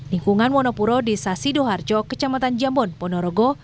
lingkungan wonopuro desa sidoarjo kecamatan jambon ponorogo